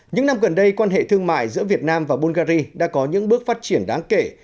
những năm gần đây quan hệ thương mại giữa việt nam và bungary đã có những bước phát triển đáng kể